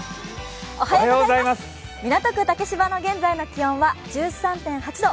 港区竹芝の現在の気温は１３．８度。